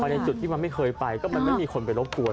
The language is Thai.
ในจุดที่มันไม่เคยไปก็มันไม่มีคนไปรบกวน